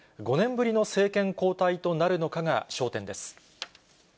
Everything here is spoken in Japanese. ５年ぶりの政権交代となるのかが焦点です。